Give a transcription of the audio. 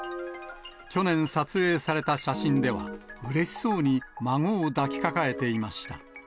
去年撮影された写真では、うれしそうに孫を抱きかかえていました。